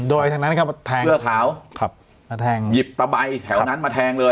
โดยทางนั้นก็แทงเสื้อขาวครับมาแทงหยิบตะใบแถวนั้นมาแทงเลย